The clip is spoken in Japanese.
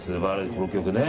この曲ね。